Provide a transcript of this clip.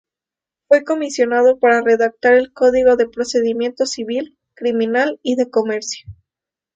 Fue comisionado para redactar el código de procedimientos civil, criminal y de comercio.